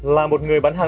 là một người bán hàng